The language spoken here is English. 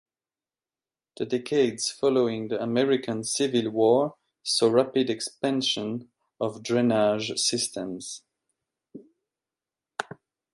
The decades following the American Civil War saw rapid expansion of drainage systems.